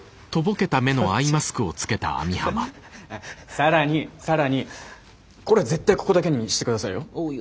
更に更にこれ絶対ここだけにして下さいよ。